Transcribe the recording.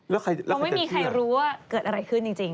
แล้วใครจะเชื่อต้องไม่มีใครรู้ว่าเกิดอะไรขึ้นจริงจริง